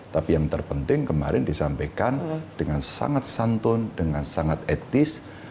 tapi yang terpenting kemarin disampaikan dengan sangat santun dengan sangat etis